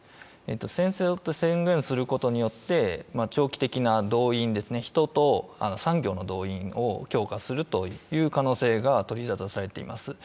戦争と宣言することによって長期的な動員、人と産業の動員を強化する可能性が取り沙汰されています。